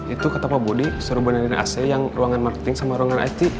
itu kata pak budi suruh benarin ac yang ruangan marketing sama ruangan it